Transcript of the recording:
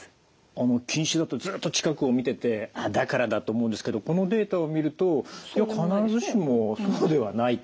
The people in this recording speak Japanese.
あの近視だとずっと近くを見ててだからだと思うんですけどこのデータを見ると必ずしもそうではないと。